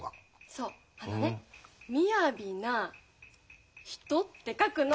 そうあのね「雅」な「人」って書くの！